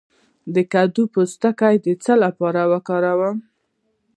د کدو پوستکی د څه لپاره وکاروم؟